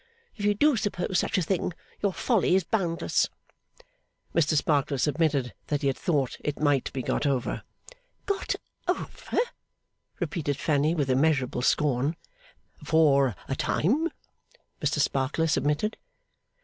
If you do suppose such a thing, your folly is boundless.' Mr Sparkler submitted that he had thought 'it might be got over.' 'Got over!' repeated Fanny, with immeasurable scorn. 'For a time,' Mr Sparkler submitted.